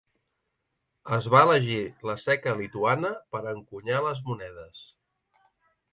Es va elegir la seca lituana per encunyar les monedes.